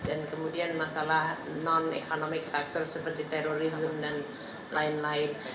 dan kemudian masalah non economic factors seperti terrorism dan lain lain